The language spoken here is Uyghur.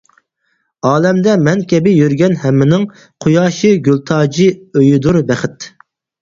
ئالەمدە مەن كەبى يۈرگەن ھەممىنىڭ، قۇياشى، گۈلتاجى، ئۆيىدۇر بەخت.